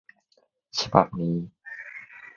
ฉบับนี้